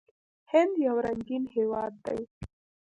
هند یو رنګین هیواد دی.